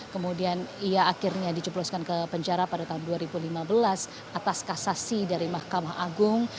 kemudian ia akhirnya dijebloskan ke penjara pada tahun dua ribu lima belas atas kasasi dari mahkamah agung